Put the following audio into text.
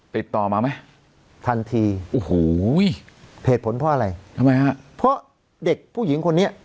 ติดต่อมาไหมทันทีโอ้โหเหตุผลเพราะอะไรทำไมฮะเพราะเด็กผู้หญิงคนนี้